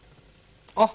あっ。